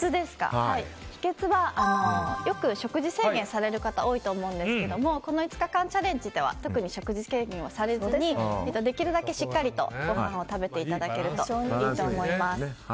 秘訣はよく食事制限をされる方多いと思うんですがこの５日間チャレンジでは特に食事制限をされずにできるだけしっかりとご飯を食べていただけるといいと思います。